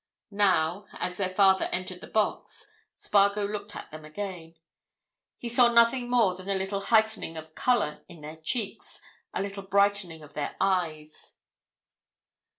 Now, as their father entered the box, Spargo looked at them again; he saw nothing more than a little heightening of colour in their cheeks, a little brightening of their eyes.